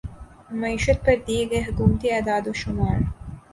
معیشت پر دیے گئے حکومتی اعداد و شمار